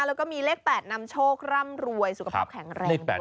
แล้วก็มีเลข๘นำโชคร่ำรวยสุขภาพแข็งแรงแบบนี้